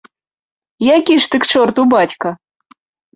Які ж ты к чорту бацька!